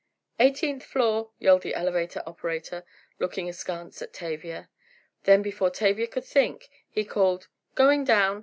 "Eighteenth floor!" yelled the elevator operator, looking askance at Tavia. Then before Tavia could think, he called, "Going down!"